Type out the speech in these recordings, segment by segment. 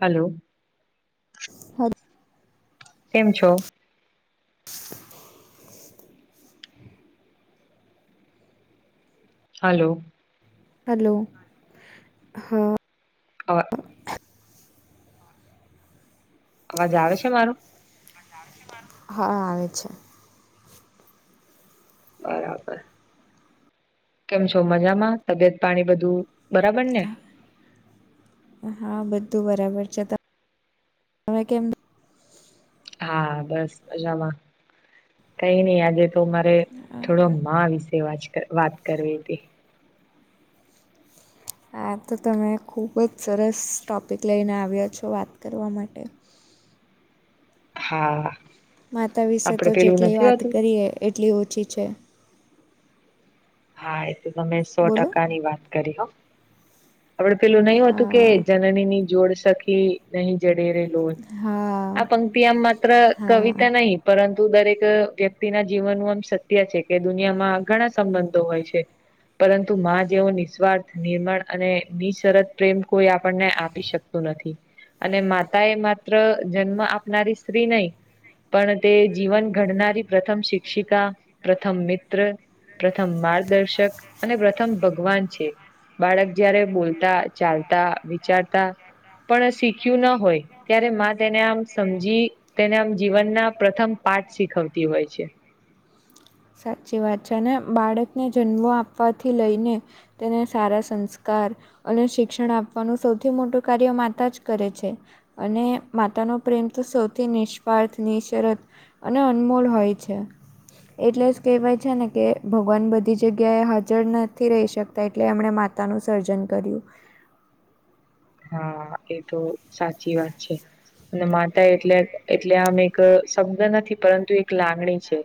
Hello હદ કેમ છો હલો હલો હા અ અવાજ આવે છે મારું હા આવે છે બરાબબર કેમ છો મજામાં તબિયત પાણી બધું બરાબર ને હા બધું બરાબર છે તમે કેમ? હા બસ મજામાં. કઈ નહી આજે તો મારે થોડો [unintelligible] વાત કરવી હતી. આ તો તમે ખૂબ જ સરસ ટોપિક લઈને આવ્યા છો વાત કરવા માટે. હા. માતા વિશે આપડે તો પેલું જેટલી નથી વાત હોતું કરીએ એટલી ઓછી છે. હા એ તો તમે સો બોલો ટકા ની વાત કરી હો. આપડે પેલું નઈ હોતું કે હા જનની ની જોડ સખી નહી જડે રે હા આ પંક્તિ આમ માત્ર હા કવિતા નહી પરંતુ દરેક વ્યક્તિના જીવનનું આમ સત્ય છે કે દુનિયામાં ઘણા સંબંધો હોય છે. પરંતુ માં જેવો નિસ્વાર્થ નિર્માણ અને બિન શરત પ્રેમ કોઈ આપણને આપી શકતું નથી. અને માતા એ માત્ર જન્મ આપનારી સ્ત્રી નહી. પણ તે જીવન ઘડનારી પ્રથમ શિક્ષિકા, પ્રથમ મિત્ર, પ્રથમ માર્ગદર્શક અને પ્રથમ ભગવાન છે બાળક જયારે બોલતા, ચાલતા, વિચારતા, પણ શીખ્યું ના હોય ત્યારે તેને આમ સમજી તેને આમ જીવનના પ્રથમ પાઠ શીખવતી હોય છે. સાચી વાત છે અને બાળકને જન્મો આપવાથી લઈને. તેને સારા સંસ્કાર અને શિક્ષણ આપવાનું સૌથી મોટું કાર્ય માતા જ કરે છે. અને માતાનો પ્રેમ તો સૌથી નિસ્વાર્થ, નિશરત અને અનમોલ હોય છે. એટલે જ કહેવાય છે ને કે ભગવાન બધી જગ્યાએ હાજર નથી રહી શકતા એટલે એમણે મા તાનું સર્જન કર્યું. હા એ તો સાચી વાત છે. અને માતા એટલે એટલે આમ એક શબ્દ નથી પરંતુ એક લાગણી છે.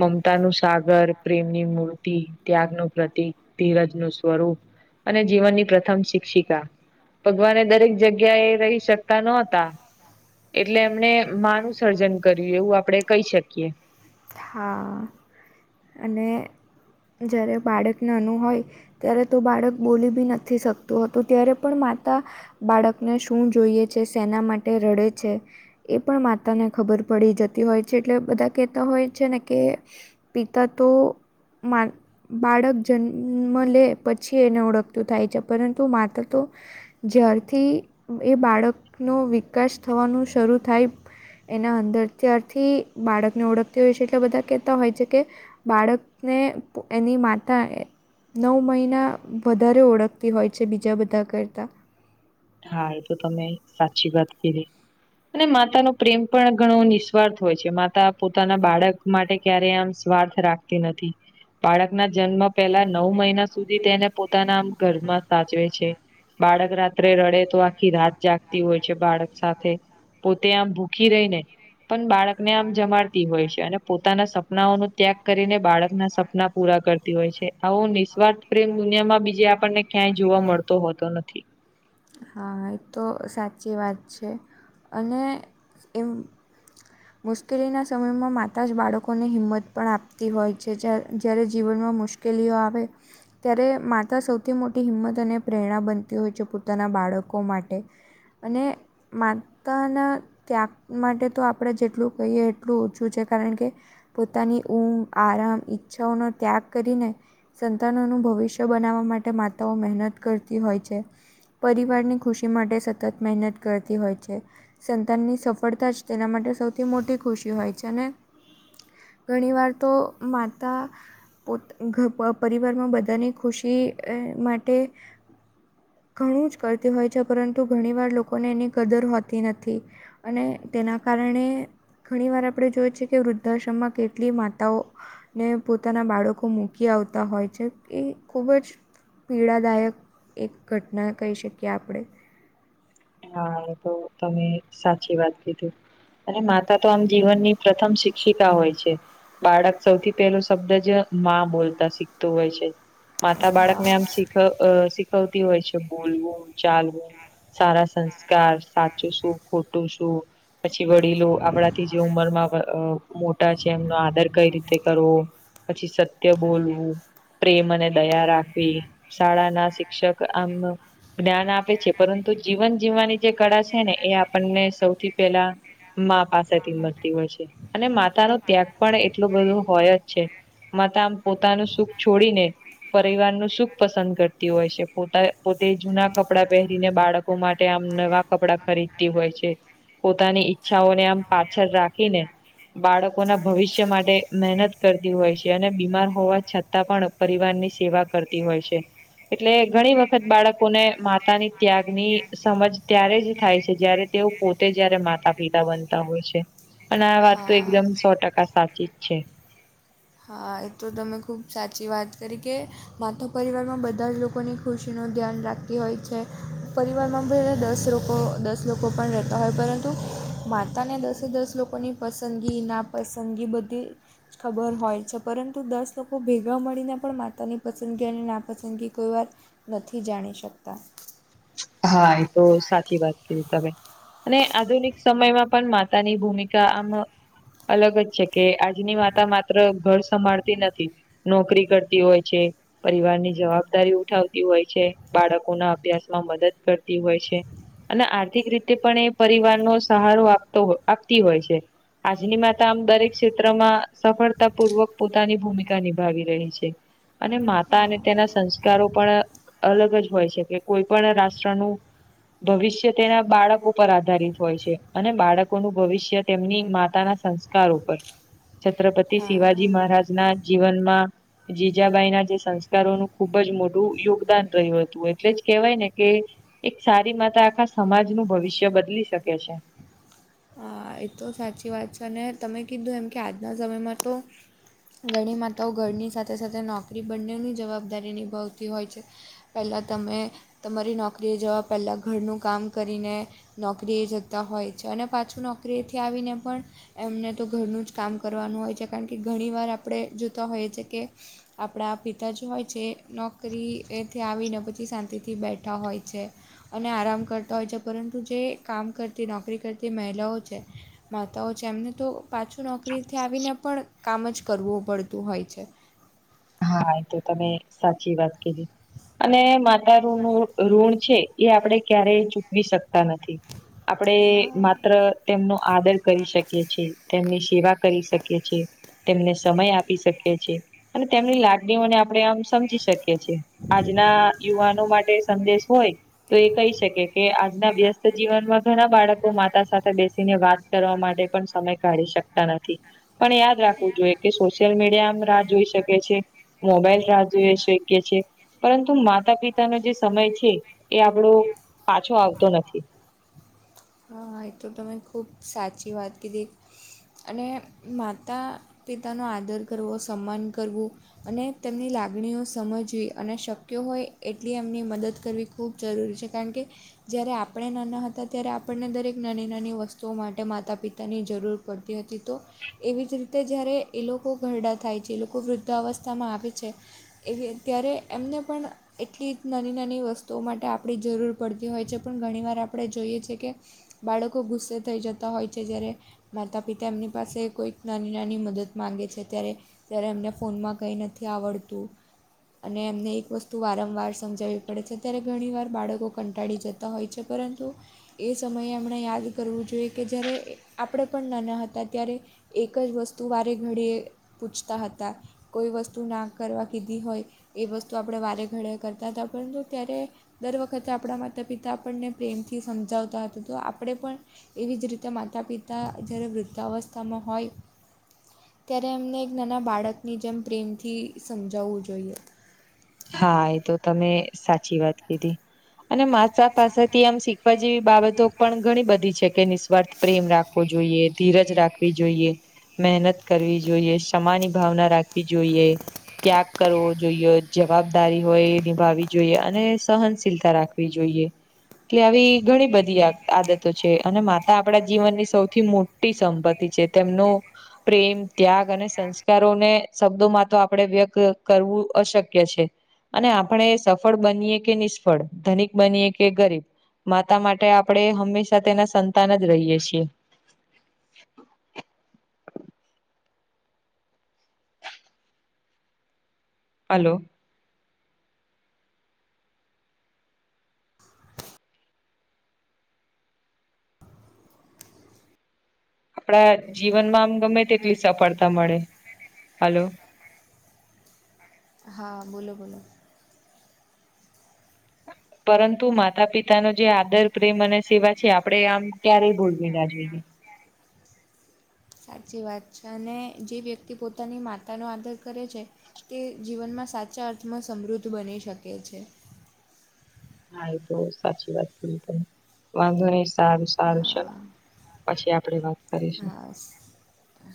મમતા નું સાગર, પ્રેમની મૂર્તિ, ત્યાગ નું પ્રતિક. ધીરજ ન સ્વરૂપ અને જીવનની પ્રથમ શિક્ષિકા. ભગવાને દરેક જગ્યા એ રહી શકતા નતા. એટલે એમને માનું સર્જન કર્યું એવું આપડે કહી શકીએ. હા અને જ્યારે બાળકને નાનું હોય. ત્યારે તો બાળક બોલી બી નથી શકતું હતું ત્યારે પણ માતા બાળકને શું જોઈએ છે સેના માટે રડે છે? એ પણ માતા ને ખબર પડી જતી હોય છે એટલે બધા કેહેતા હોય છે ને કે પિતા તો મા બાળક જન્મ લે પછી એને ઓળખતું થાય છે પરંતુ માતા તો જ્યારથી એ બાળકનો વિકાસ થવાનું શરૂ થાય. એના અંદર ત્યારથી બાળકને ઓળખ તે વિશે એટલે બધા કહેતા હોય છે કે બાળકને એની માતા નવ મહિના વધારે ઓળખતી હોય છે બીજા બધા કરતાં. હા એ તો તમે સાચી વાત કીધી. અને માતા ન પ્રેમ પણ ઘણો નિસ્વાર્થ હોય છે માતા પોતાના બાળક માટે ક્યારે આમ સ્વાર્થ રાખતી નથી‌. બાળક ના જન્મ પહેલા નવ મહિના સુધી તેને પોતાનામ ગરભમાં સાચવે છે. બાળક રાત્રે રડે તો આખી રાત જાગતી હોય છે બાળક સાથે. પોતે આમ ભૂખી રહી ને પણ બાળકને આમ જમાડતી હોય છે અને પોતાના સપનાઓ નુ ત્યાગ કરીને બાળકના સપના પૂરા કરતી હોય છે આવો નિસ્વાર્થ પ્રેમ દુનિયામાં બીજે આપણને ક્યાંય જોવા મળતો હોતો નથી. હા એ તો સાચી વાત છે અને એમ. [inaudible] મુશ્કેલીના સમયમાં માતા જ બાળકોને હિંમત પણ આપતી હોય છે જ જ્યારે જીવનમાં મુશ્કે મુશ્કેલીઓ આવે ત્યારે માતા સૌથી મોટી હિંમત અને પ્રેરણા બનતી હોય છે પુ પોતાના બાળકો માટે અને માતાના ત્યાગ માટે તો આપણે જેટલું કહીએ એટલું ઓંછું છે કારણ કે પોતાની ઊંમ આરામ ઈચ્છાઓનોો ત્યાગ કરીને સંતાનોનું ભવિષ્ય બનાવવા માટે માતાઓ મહેનત કરતી હોય છે. પરિવારની ખુશી માટે સતત મહેનત કરતી હોય છે. સંતાનની સફળતા જ તેના માટે સૌથી મોટી ખુશી હોય છે અને ઘણી વાર તો માતા પો પરિવારમાં બધાની ખુશી માટે ઘણું જ કરતી હોય છે પરંતુ ઘણી વાર લોકોને એની કદર હોતી નથી. અને તેના કારણે ઘણીવાર આપણે જોઈએ છીએ કે વૃદ્ધાશ્રમમાં કેટલી માતાઓ ને પોતાના બાળકો મૂકી આવતા હોય છે એ ખૂબ જ પીડાદાયક એક ઘટના કહી શકીએ આપણે. હા એ તો તમે સાચી વાત કીધી. અને માતા તો આમ જીવનની પ્રથમ શિક્ષિકા હોય છે. બાળક સૌથી પેલો શબ્દ જ માં બોલતા શીખતું હોય છે. માતા બાળકને હા આમ શીખ શીખવતી હોય છે બોલવું, ચાલવું, સારા સંસ્કાર સાચું શું? ખોટું શું? પછી વડીલો આપણાથી જે ઉંમરમાં મોટા છે એમનો આદર કઈ રીતે કરવો પછી સત્ય બોલવું. પ્રેમ અને દયા રાખવી શાળાના શિક્ષક આમ જ્ઞાન આપે છે. પરંતુ જીવન જીવવાની જે કળા છે ને એ આપણને સૌથી પેલા મા પાસેથી મળતી હોય છે. અને માતાનો ત્યાગ પણ એટલું બધું હોય જ છે. માતા આમ પોતાનું સુખ છોડી ને પરિવારનું સુખ પસંદ કરતી હોય છે. [unintelligible] પોતે જૂના કપડા પહેરીને બાળકો માટે આમ નવા કપડા ખરીદતી હોય છે. પોતાની ઈચ્છાઓને આમ પાછળ રાખીને બાળકોના ભવિષ્ય માટે મહેનત કરતી હોય છે. અને બીમાર હોવા છતાં તા પણ પરિવારની સેવા કરતી હોય છે. એટલે ઘણી વખત બાળકોને માતાની ત્યાગની સમજ ત્યારે જ થાય છે. જયારે તેઓ પોતે જ્યારે માતા પિતા બનતા હોય છે. અને આ વાતતો હા એકદમ સો ટકા સાચી જ છે. હા એ તો તમે ખૂબ સાચી વાત કરી કે માતો પરિવારમાં બધા જ લોકોની ખુશીનું ધ્યાન રાખતી હોય છે. પરિવારમાં દસ લોકો લોકો દસ લોકો પણ રહેતા હોય પરંતુ માતાને દસે દસ લોકોની પસંદગીના પસંદગી બધી જ ખબર હોય. છે. પરંતુ દસ લોકો ભેગા મળીને પણ માતાની પસંદગી અને ના પસંદગી કોઈ વાર નથી જાણી શકતા. હા એ તો સાચી વાત કીધી તમે. અને આધુનિક સમયમાં પણ માતા તાની ભૂમિકા આમ અલગ જ છે કે આજની માતા માત્ર ઘર સંભાળતી નથી. નોકરી કરતી હોય છે. પરિવારની જવાબદારી ઉઠાવતી હોય છે. બાળકોના અભ્યાસમાં મદદ કરતી હોય છે. અને આર્થિક રીતે પણ એ પરિવારનો સહારો આપતો આપતી હોય છે. આજની માતા આમ દરેક ક્ષેત્રમાં સફળતા પૂર્વક પોતાની ભૂમિકા નિભાવી રહી છે. અને માતા હા અને તેના સંસ્કારો પણ અલગ જ હોય છે કે કોઈ પણ રાષ્ટ્રનું ભવિષ્ય તેના બાળકો પર આધારિત હોય છે. અને બાળકોનું ભવિષ્ય તેમની માતાના સં સારું ઉપર છત્રપતિ હા શિવાજી મહારાજના જીવનમાં જીજાબાઈના જે સંસ્કારોનું ખુબ જ મોટું યોગદાન રહ્યું હતું. એટલે જ કહેવાય ને કે એક સારી માતા આખા સમાજનું ભવિષ્ય બદલી શકે છે. એકદમ સાચી વાત છે. અને તમે કીધું એમ કે આજના સમયમાં તો ઘણી માતાઓ ઘરની સાથે સાથે નોકરી બંનેની જવાબદારી નિભાવતી હોય છે. પેલા તમે તમારી નોકરીએ જવા પેલા ઘરનું કામ કરીને નોકરીએ જતા હોય છે અને પાછું નોકરીએથી આવીને પણ એમને તો ઘરનું જ કામ કરવાનું હોય છે. કારણ કે ઘણી વાર આપણે જોતા હોઈએ છે, કે આપણા પિતાજી હોય છે નોકરીએથી આવીને પછી શાંતિથી બેઠા હોય છે. અને આરામ કરતો હોય છે, પરતુ જે કામ કરતી નોકરી કરતી મહિલાઓ છે. માતાઓ છે. એમને તો પાછું નોકરીએથી આવીને પણ કામ જ કરવું પડતું હોય છે. હા એ તો તમે સાચી વાત કીધી. અને માતાઋનું ઋણ છે એ આપણેે ક્યારેય ચૂકવી શકતા નથી. આપણે હા માત્ર તેમનો આદર કરી શકીએ છીએ. તેમની સેવા કરી શકીએ છે. તેમને સમય આપી શકીએ છે. તેમણી લાગણીઓને આપણે આમ સમજી શકીએ છીએ. આજના યુવાનો માટે સદેશ હોય તો એ કહી શકે કે આજના વ્યસ્ત જીવનમાં ઘણા બાળકો માતા સાથે બેસીને વાત કરવા માટે પણ સમય કાઢી શકતા નથી પણ યાદ રાખવું જોઈએ કે સોશિયલ મીડિયામ રાહ જોઈ શકે મોબાઈલ રાહ જોઈ શ છેએ પરંતુ માતા પિતાનો જે સમય છે, એ આપણો પાછો આવતો નથી. હા એ તો તમે ખૂબ સાચી વાત કેીધે અને માતા પિતાનો આદર કરવો સન્માન કરવું અને તેમની લાગણીઓ સમજવી અને શક્ય હોય એટલી એમની મદદ કરવી ખૂબ જરૂરી છે કારણ કે જ્યારે આપણે નાના હતા ત્યારે આપણને દરેક નાની નાની વસ્તુઓ માટે માતા પિતાની જરૂર પડતી હતી તો એવી જ રીતે જ્યારે એ લોકો ઘરડા થાય છે એ લોકો વૃદ્ધાવસ્થામાં આવે છે એવી ત્યારે એમને પણ એટલી જ નાની નાની વસ્તુઓ માટે આપણી જરૂર પડતી હોય છે પણ ઘણીવાર આપણે જોઈએ છીએ કે બાળકો ગુસ્સે થઈ જતા હોય છે જે્યારે માતા પિતા એમની પાસે કોઈક નાની નાની મદદ માંગે છે ત્યારે ત્યારે એમને ફોનમાં કંઈ નથી આવડતું અને એમને એક વસ્તુ વારંવાર સમજાવવી પડે છે, અ્યારે ઘણી વાર બાળકો કંટાળી જતા. હોય છે પરંતુ એ સમયે હમણાં યાદ કરવું જોઈએ કે જ્યારે આપણે પણ નાના હતા ત્યારે એક જ વસ્તુ વારે ઘડી પૂછતા હતા કોઈ વસ્તુ ના કરવા કીધી હોય એ વસ્તુ આપણે વારે ઘડે કરતા હતા પરંતુ ત્યારે દર વખતે આપણા માતા પિતા આપણને પ્રેમથી સમજાવતા હતા તો આપણે પણ એવી જ રીતે માતા પિતા જ્યારે વૃદ્ધાવસ્થામા હોય. ત્યારે એમને એક નાના બાળકની જેમ પ્રેમથી સમજાવવું જોઈએ હા એ તો તમે સાચી વાત કીધી અને માસા પાસેથી આમ શીખવા જેવી બાબતો પણ ઘણી બધી છકે, નિસ્વાર્થ પ્રેમ રાખવો જોઈએ ધીરજ રાખવી જોઈએ મહેનત કરવી જોઈએ સમાની ભાવના રાખવી જોઈએ ત્યાગ કરવો જોઈએ જવાબદારી હોય એ નિભાવવી જોઈએ અને સહનશીલતા રાખવી જોઈએ. કે આવી ઘણી બધી આદતો છે, અને માતા આપણા જીવનની સૌથી મો સંપત્તિ છે તેમનું પ્રેમ ત્યાગ અને સંસ્કારોને શબ્દો માં તો આપણેે વ્યક્ત કરવું અશક્ય છે અને આપણે સફળ બનીએ કે નિષ્ફળ ધનિક બનીએ કે ગરીબ માતા માટે આપણે હંમેશા તેના સંતાન જ રહીએ છીએ. હલો. આપડા જીવનમાં આમ ગમે તેટલી સફળતા મળે હલો હા બોલો બોલો પરંતુ માતા પિતા ના જે આદર પ્રેમ અને સેવા છે આપણેે આમ ક્યારેય ભૂલવી ના જોઈએ. સાચી વાત છે અને જે વ્યક્તિ પોતાની માતાનો આદર કરે છે તે જીવનમાં સાચા અર્થમાં સમૃદ્ધ બની શકે છે હા એ તો સાચી વાત કરી તમે વાંધો નહી સારું સારું ચલો હા પછી આપડે વાત કરીશું. હા સ-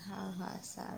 હા હા. આસા